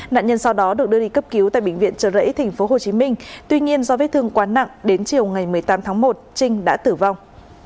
nạn nhân sau đó được đưa đi cấp cứu tại bệnh viện trợ rẫy tp hcm tuy nhiên do vết thương quá nặng đến chiều ngày một mươi tám tháng một trinh đã tử vong